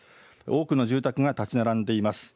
多くの住宅が建ち並んでいます。